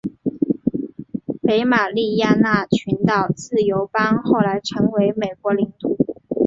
北马里亚纳群岛自由邦后来成为美国领土。